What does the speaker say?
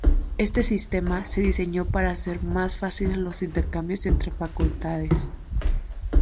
Este sistema se diseñó para hacer más fáciles los intercambios entre facultades.